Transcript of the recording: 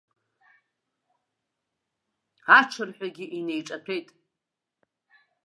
Аҽырҳәагьы инеиҿаҭәеит.